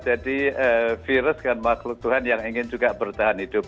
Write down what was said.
jadi virus kan makhluk tuhan yang ingin juga bertahan hidup